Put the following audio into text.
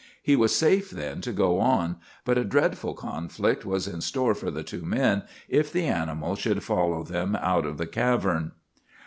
He was safe, then, to go on, but a dreadful conflict was in store for the two men if the animal should follow them out of the cavern.